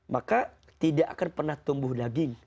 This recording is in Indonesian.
maka tidak akan pernah tumbuh daging